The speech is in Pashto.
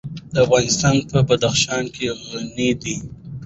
افغانستان په بدخشان غني دی.